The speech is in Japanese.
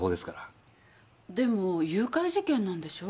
でも誘拐事件なんでしょ？